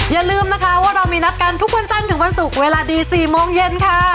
อย่าลืมนะคะว่าเรามีนัดกันทุกวันจันทร์ถึงวันศุกร์เวลาดี๔โมงเย็นค่ะ